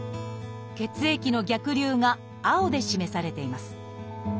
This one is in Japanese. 血液の逆流が青で示されています。